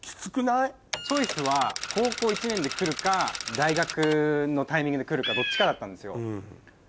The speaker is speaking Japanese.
チョイスは高校１年で来るか大学のタイミングで来るかどっちかだったんですよ。